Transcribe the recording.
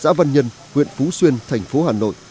xã văn nhân huyện phú xuyên thành phố hà nội